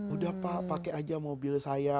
udah pak pakai aja mobil saya